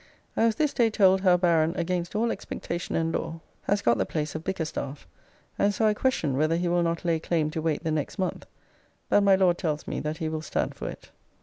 I was this day told how Baron against all expectation and law has got the place of Bickerstaffe, and so I question whether he will not lay claim to wait the next month, but my Lord tells me that he will stand for it.